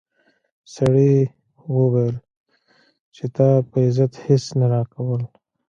سړي وویل چې تا په عزت هیڅ نه راکول.